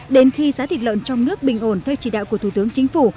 đến khi giá thịt lợn trong nước bình ổn theo chỉ đạo của thủ tướng chính phủ